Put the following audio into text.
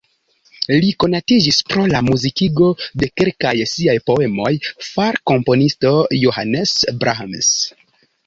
Li konatiĝis pro la muzikigo de kelkaj siaj poemoj far komponisto Johannes Brahms.